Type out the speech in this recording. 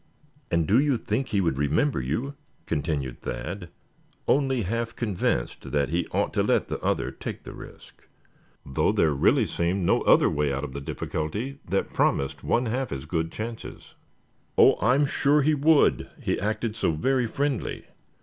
"And do you think he would remember you?" continued Thad, only half convinced that he ought to let the other take the risk; though there really seemed no other way out of the difficulty that promised one half as good chances. "Oh! I'm sure he would, he acted so very friendly.